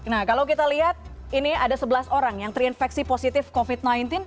nah kalau kita lihat ini ada sebelas orang yang terinfeksi positif covid sembilan belas